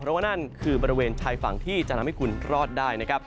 เพราะว่านั่นคือบริเวณชายฝั่งที่จะทำให้คุณรอดได้นะครับ